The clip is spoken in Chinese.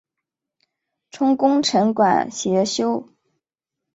充功臣馆协修。